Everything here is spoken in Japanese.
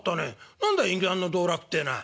何だい隠居さんの道楽ってえのは」。